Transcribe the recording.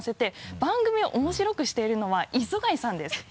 番組を面白くしているのは磯貝さんです。